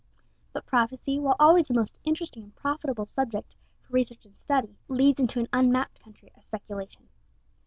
But prophecy, while always a most interesting and profitable subject for research and study, leads into an unmapped country of speculation.